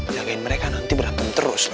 jagain mereka nanti berantem terus